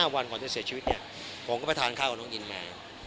วันก่อนจะเสียชีวิตเนี่ยผมก็ไปทานข้าวกับน้องอินมา